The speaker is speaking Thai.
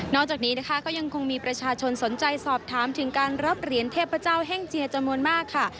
จากนี้นะคะก็ยังคงมีประชาชนสนใจสอบถามถึงการรับเหรียญเทพเจ้าแห้งเจียจำนวนมากค่ะ